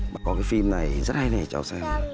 bác có cái phim này rất hay nè cháu xem